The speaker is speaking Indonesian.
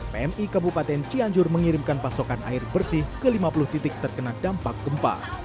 pmi kabupaten cianjur mengirimkan pasokan air bersih ke lima puluh titik terkena dampak gempa